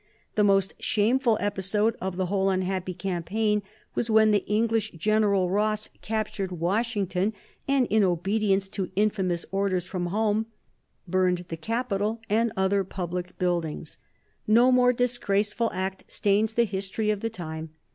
The most shameful episode of the whole unhappy campaign was when the English General Ross captured Washington, and, in obedience to infamous orders from home, burned the Capitol and other public buildings. No more disgraceful act stains the history of the time.